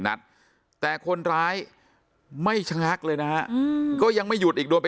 นัดแต่คนร้ายไม่ชะงักเลยนะฮะก็ยังไม่หยุดอีกโดน